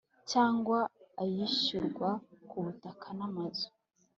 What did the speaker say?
cyangwa ayishyurwa ku butaka n amazu